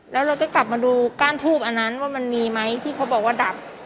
แล้วเราจะกลับมาดูก้านทูบอันนั้นว่ามันมีไหมที่เขาบอกว่าดับ